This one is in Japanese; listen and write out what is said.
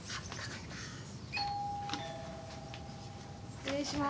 失礼します。